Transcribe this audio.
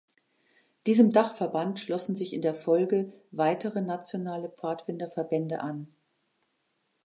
Diesem Dachverband schlossen sich in der Folge weitere nationale Pfadfinderverbände an.